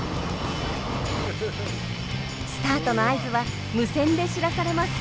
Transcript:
スタートの合図は無線で知らされます。